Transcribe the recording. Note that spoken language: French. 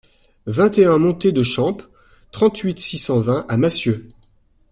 vingt et un montée de Champe, trente-huit, six cent vingt à Massieu